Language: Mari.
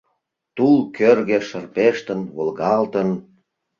Тул кӱртньӧ шырпештын, волгалтын